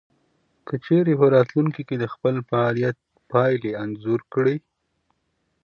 که چېرې په راتلونکې کې د خپل فعاليت پايلې انځور کړئ.